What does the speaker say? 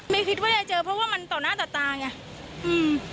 ไม่คิดว่าจะเจอเพราะว่ามันต่อหน้าต่อตาไงอืม